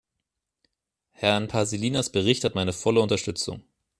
Herrn Paasilinnas Bericht hat meine volle Unterstützung.